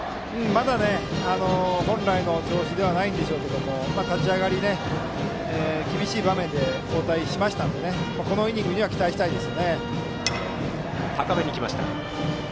まだ本来の調子ではないんでしょうけど立ち上がり、厳しい場面で交代しましたのでこのイニングには期待したいです。